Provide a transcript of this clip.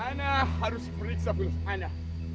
hana harus diperiksa bulus hana